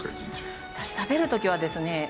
私食べる時はですね